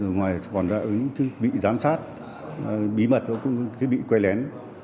ngoài còn ra ứng những thiết bị giám sát bí mật thiết bị quay lén